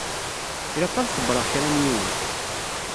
Ilaq ad xebbṛeɣ kra n yiwen.